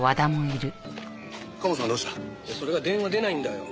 いやそれが電話出ないんだよ。